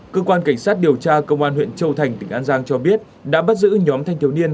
cơ quan cảnh sát điều tra công an huyện châu thành tỉnh an giang cho biết đã bắt giữ nhóm thanh thiếu niên